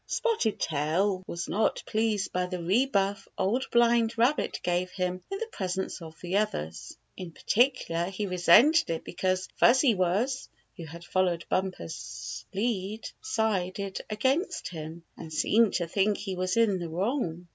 Spotted Tail was not pleased by the rebuff the Old Blind Rabbit gave him in the presence of the others. In particular he resented it be cause Fuzzy Wuzz, who had followed Bumper's lead, sided against him, and seemed to think he was in the wrong.